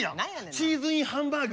チーズインハンバーグ。